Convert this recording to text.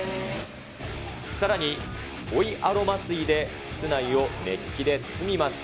さらに追いアロマ水で室内を熱気で包みます。